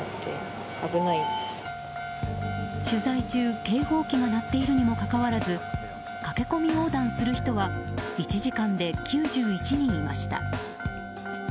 取材中、警報機が鳴っているにもかかわらず駆け込み横断する人は１時間で９１人いました。